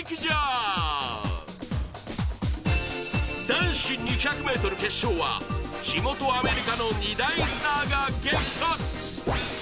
男子２００ｍ決勝は、地元アメリカの大スターが激突。